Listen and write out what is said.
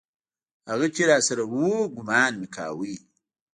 هغه چې راسره و ګومان مې کاوه.